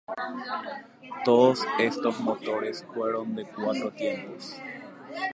Todos estos motores fueron de cuatro tiempos.